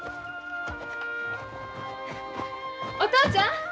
お父ちゃん